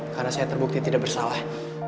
karena saya terbukti tidak bersalah